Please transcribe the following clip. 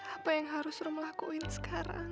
apa yang harus rumah lakuin sekarang